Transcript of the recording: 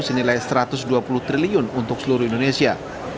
senilai rp satu ratus dua puluh triliun untuk seluruh indonesia